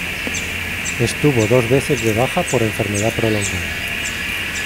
Estuvo dos veces de baja por enfermedad prolongada.